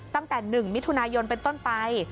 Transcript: ตั้งแต่๑มิถุนายนเป็นต้นไป